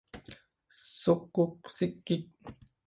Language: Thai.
ซุกกุ๊กซิกกิ๊ก